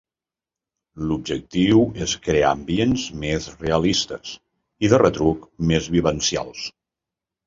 L’objectiu és crear ambients més realistes i, de retruc, més vivencials.